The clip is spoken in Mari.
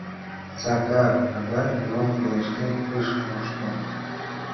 Сакар адак нимом пелештен ыш мошто.